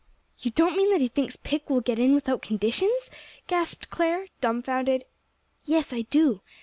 "You don't mean that he thinks Pick will get in without conditions?" gasped Clare, dumfounded. "Yes, I do."